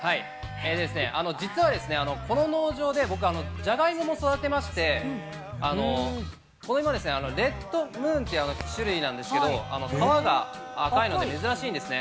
実はですね、この農業で僕、ジャガイモも育てまして、これもレッドムーンっていう種類なんですけど、皮が赤いので、珍しいんですね。